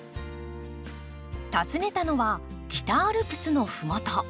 訪ねたのは北アルプスの麓。